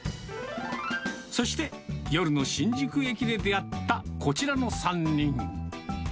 そして、夜の新宿駅で出会ったこちらの３人。